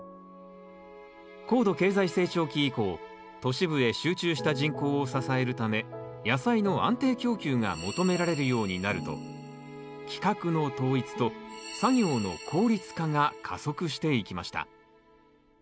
高度経済成長期以降都市部へ集中した人口を支えるため野菜の安定供給が求められるようになると規格の統一と作業の効率化が加速していきました。